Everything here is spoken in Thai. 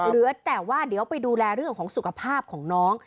เหลือแต่ว่าเดี๋ยวไปดูแลเรื่องของสุขภาพของน้อง